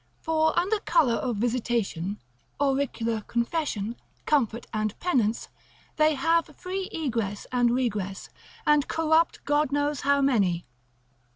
For under colour of visitation, auricular confession, comfort and penance, they have free egress and regress, and corrupt, God knows, how many.